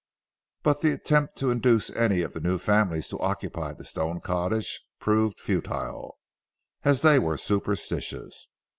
But the attempt to induce any of the new families to occupy the stone cottage proved futile, as they were superstitious.